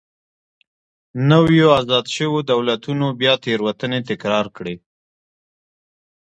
نویو ازاد شویو دولتونو بیا تېروتنې تکرار کړې.